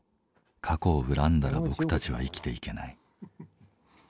過去を恨んだら僕たちは生きていけない」。